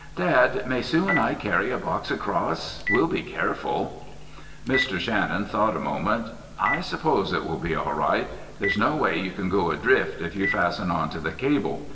"Dad, may Sue and I carry a box across? We'll be careful." Mr. Shannon thought a moment. "I suppose it will be all right. There's no way you can go adrift if you fasten on to the cable.